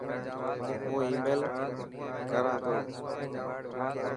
هون آي ميل ڪران تو.